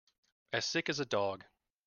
As sick as a dog.